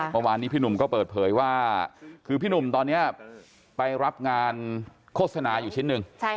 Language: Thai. เมื่อวานนี้พี่หนุ่มก็เปิดเผยว่าคือพี่หนุ่มตอนนี้ไปรับงานโฆษณาอยู่ชิ้นหนึ่ง